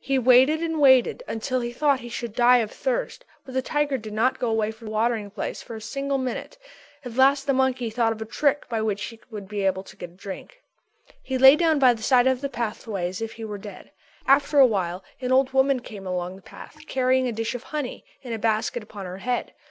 He waited and waited until he thought he should die of thirst, but the tiger did not go away from the watering place for a single minute. At last the monkey thought of a trick by which he would be able to get a drink. He lay down by the side of the pathway as if he were dead. After a while an old woman came along the path carrying a dish of honey in a basket upon her head.